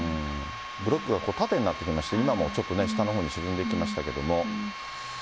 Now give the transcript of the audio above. ブロックがこう、縦になってきまして、今も下の方に沈んでいきましたけれども。